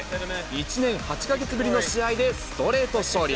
１年８か月ぶりの試合でストレート勝利。